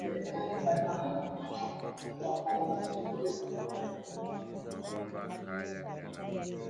jadidifu isiyochafua mazingira na kupitishwa kwa kanuni za ubora wa